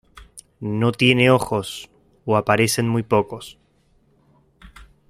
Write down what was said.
No tiene ojos, o aparecen muy pocos.